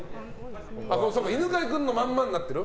犬飼君のままになってる？